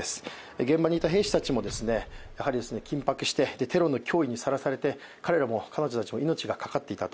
現場にいた兵士たちも緊迫して、緊迫して、テロの脅威にさらされて彼らも命がかかっていたと。